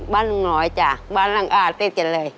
บ้านหนูน้อยจ๊ะบ้านนางอาทิตย์กันเลย